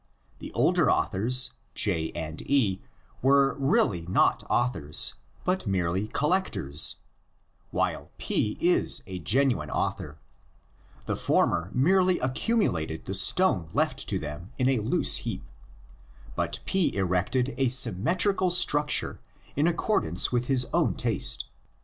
The older authors, J and E, were really not authors, but merely collectors, while P is a genuine author; the former merely accumulated the stone left to them in a loose heap; but P erected a symmetrical struc ture in accordance with his own taste.